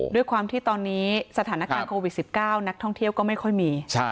ด้วยความที่ตอนนี้สถานการณ์โควิด๑๙นักท่องเที่ยวก็ไม่ค่อยมี